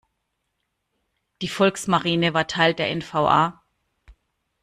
Die Volksmarine war Teil der N-V-A.